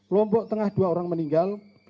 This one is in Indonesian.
lombok tengah dua orang meninggal